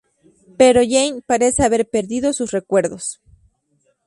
Pero Jane parece haber perdido sus recuerdos.